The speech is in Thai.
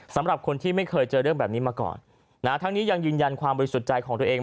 สำหรับคนที่ไม่เคยเจอเรื่องแบบนี้มาก่อนนะฮะทั้งนี้ยังยืนยันความบริสุทธิ์ใจของตัวเอง